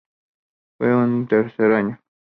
Fue en tercer año.